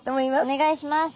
お願いします。